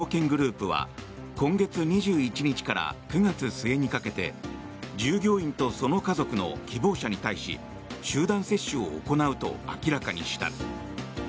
大和証券グループは今月２１日から９月末にかけて従業員とその家族の希望者に対し集団接種を行うと明らかにした。